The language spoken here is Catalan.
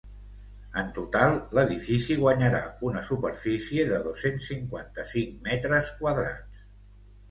En total, l’edifici guanyarà una superfície de dos-cents cinquanta-cinc metres quadrats.